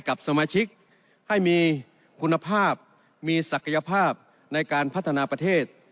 กับสมาชิกให้มีคุณภาพมีศักยภาพในการพัฒนาประเทศ